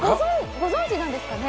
ご存じなんですかね。